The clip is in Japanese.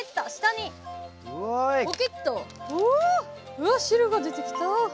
うわっ汁が出てきた。